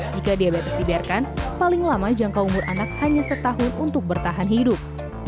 jika diabetes dibiarkan paling lama jangka umur anak hanya setahun untuk bertahan hidup